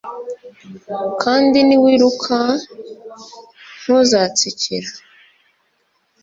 kandi niwiruka ntuzatsikira